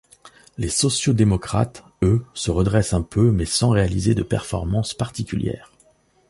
Les sociaux-démocrates, eux, se redressent un peu mais sans réaliser de performance particulière.